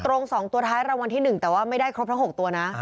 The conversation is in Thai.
ตรง๒ตัวท้ายรางวัลที่๑แต่ว่าไม่ได้ครบทั้ง๖ตัวนะ